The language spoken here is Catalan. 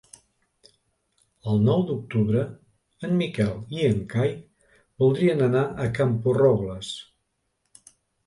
El nou d'octubre en Miquel i en Cai voldrien anar a Camporrobles.